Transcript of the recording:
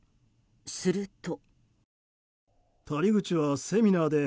すると。